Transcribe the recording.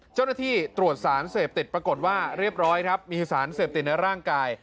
เจ้าหน้าที่ตรวจสารเสพติดปรากฏว่าเรียบร้อยครับมีสารเสพติดในร่างกาย